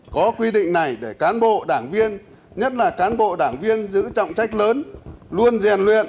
có quy định này để cán bộ đảng viên nhất là cán bộ đảng viên giữ trọng trách lớn luôn rèn luyện